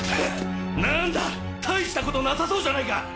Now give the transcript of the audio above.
何だ大したことなさそうじゃないか。